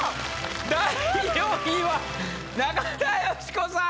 第４位は中田喜子さん！